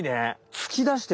つき出してる。